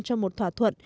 cho một thỏa thuận